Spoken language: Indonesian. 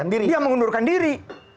dia mengundurkan diri